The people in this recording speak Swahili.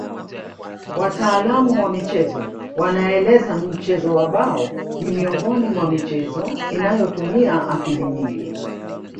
Wataalamu wa michezo wanaeleza mchezo wa bao ni miongoni mwa michezo inayotumia akili nyingi